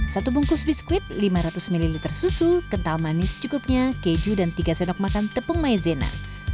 satu bungkus biskuit lima ratus ml susu kental manis cukupnya keju dan tiga sendok makan tepung maizena